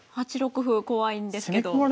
８六歩怖いんですけど。